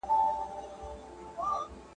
دلته دوږخ هلته دوږخ دی د خوارانو موري `